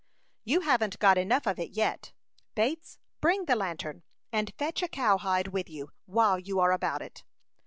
"You haven't got enough of it yet. Bates, bring the lantern, and fetch a cowhide with you, while you are about it."